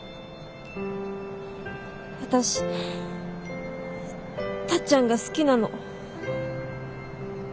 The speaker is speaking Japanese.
私タッちゃんが好きなの。